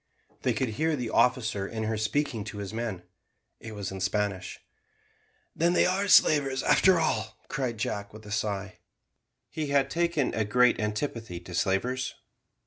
They could hear the officer in her speaking to his men. It was in Spanish. "Then they are slavers, after all," cried Jack, with a sigh. He had taken a great antipathy to slavers.